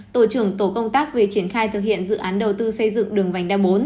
tổ trưởng tổ công tác về triển khai thực hiện dự án đầu tư xây dựng đường vành đai bốn